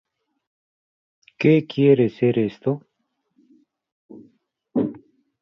¿Qué quiere ser esto?